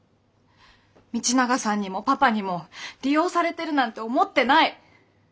道永さんにもパパにも利用されてるなんて思ってない。